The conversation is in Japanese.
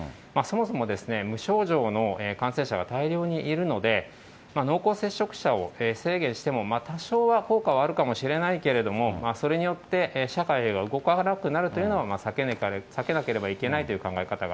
そもそも、無症状の感染者が大量にいるので、濃厚接触者を制限しても、多少は効果はあるかもしれないけれども、それによって社会が動かなくなるというのは避けなければいけない